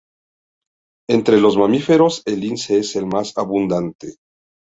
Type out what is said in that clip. Entre los mamíferos el lince es el más abundante.